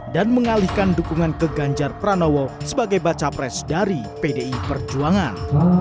dan mengalihkan dukungan ke ganjar pranowo sebagai baca pres dari pdi perjuangan